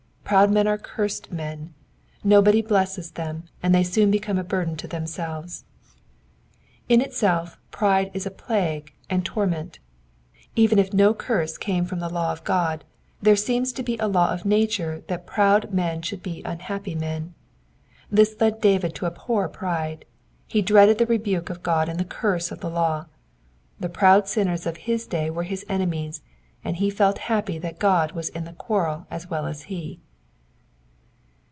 Proud men are cursed men : nobody blesses them, and they soon become a burden to themselves. In itself, pride is a plague and tor ment. Even if no curse came from the law of God, there seems to be a law of nature that proud men should be unhappy men. This led David to abhor pride ; he dreaded the rebuke of God and the curse of the law. The proud sinners of his day were his enemies, and he felt happy that God was in the quarrel as well as he.